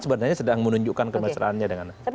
sebenarnya sedang menunjukkan kemesraannya dengan anies baswedan